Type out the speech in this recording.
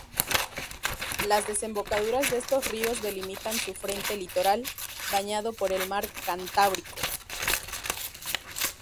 Las desembocaduras de estos ríos delimitan su frente litoral, bañado por el mar Cantábrico.